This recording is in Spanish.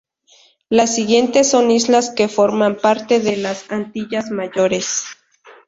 Las siguientes son islas que forman parte de las Antillas Mayores.